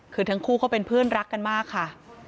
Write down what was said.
คือทั้งคู่เขาเป็นเพื่อนรักกันมากค่ะ